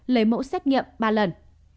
lấy mẫu xét nghiệm ba lần